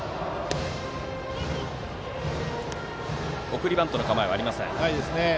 送りバントの構えはありませんでした。